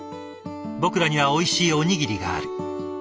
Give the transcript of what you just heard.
僕らにはおいしいおにぎりがある。